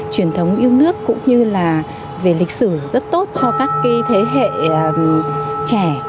truyền thống yêu nước cũng như là về lịch sử rất tốt cho các thế hệ trẻ